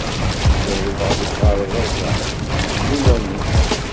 Zerrweɣ deg uɣerbaz-a n uwanak.